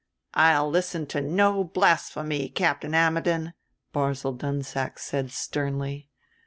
"I'll listen to no blasphemy, Captain Ammidon," Barzil Dunsack said sternly.